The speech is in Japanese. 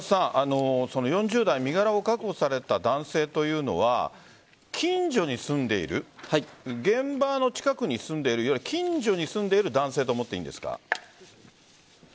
４０代身柄を確保された男性というのは近所に住んでいる現場の近くに住んでいる近所に住んでいる男性と思っていいんですか？